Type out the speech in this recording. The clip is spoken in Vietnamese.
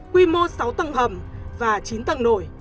quy mô sáu tầng hầm và chín tầng nổi